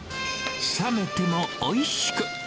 冷めてもおいしく。